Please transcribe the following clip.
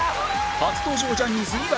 初登場ジャニーズ猪狩